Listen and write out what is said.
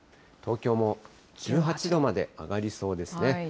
東京も１８度まで上がりそうですね。